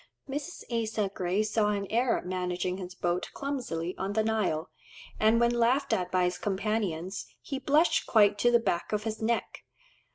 Mrs. Asa Gray saw an Arab managing his boat clumsily on the Nile, and when laughed at by his companions, "he blushed quite to the back of his neck."